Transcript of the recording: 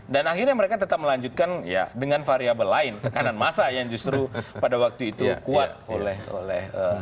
dan akhirnya mereka tetap melanjutkan ya dengan variabel lain tekanan massa yang justru pada waktu itu kuat oleh